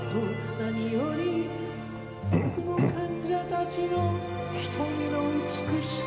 「何より僕の患者たちの瞳の美しさ」